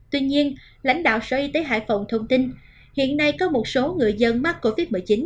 tuy nhiên lãnh đạo sở y tế hải phòng thông tin hiện nay có một số người dân mắc covid một mươi chín